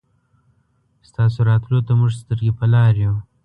ستاسو راتلو ته مونږ سترګې په لار يو